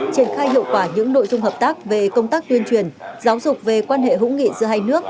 triển khai hiệu quả những nội dung hợp tác về công tác tuyên truyền giáo dục về quan hệ hữu nghị giữa hai nước